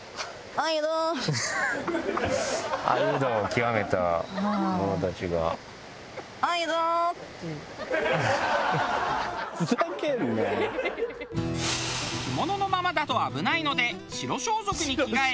着物のままだと危ないので白装束に着替え。